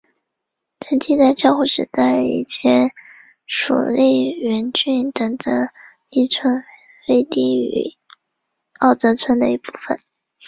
此地在江户时代以前属荏原郡等等力村飞地与奥泽村一部分。